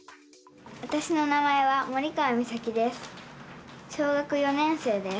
わたしの名前は森川実咲です。